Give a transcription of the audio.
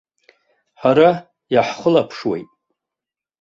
Ҳара иаҳхылаԥшуеит.